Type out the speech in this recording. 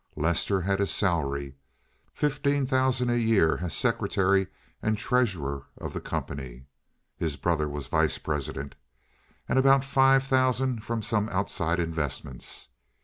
Lester had his salary—fifteen thousand a year as secretary and treasurer of the company (his brother was vice president)—and about five thousand from some outside investments.